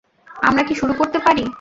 আমরা কি শুরু করতে পারি?